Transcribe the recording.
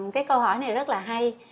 cái câu hỏi này rất là hay